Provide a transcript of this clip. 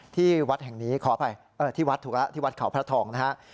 ที่วัดแห่งนี้ขออภัยที่วัดถูกแล้วที่วัดเขาพระทองนะฮะ